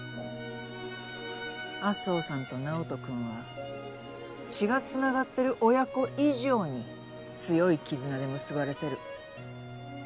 安生さんと直人君は血がつながってる親子以上に強い絆で結ばれてる。